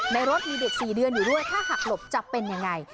ในรถมีเด็ก๔เดือนอยู่ด้วยถ้าหักหลบจะเป็นยังไง